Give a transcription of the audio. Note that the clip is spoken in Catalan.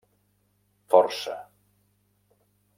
Força: